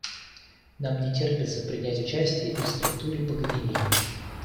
Нам не терпится принять участие и в структуре по Гвинее.